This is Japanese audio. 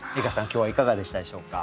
今日はいかがでしたでしょうか？